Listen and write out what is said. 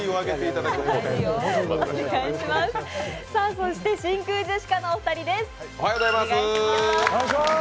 そして真空ジェシカのお二人です。